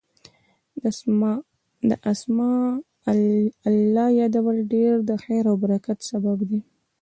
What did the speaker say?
د اسماء الله يادول ډير د خير او برکت سبب دی